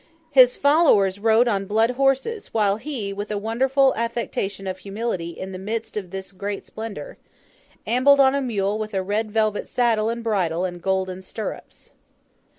His followers rode on blood horses; while he, with a wonderful affectation of humility in the midst of his great splendour, ambled on a mule with a red velvet saddle and bridle and golden stirrups.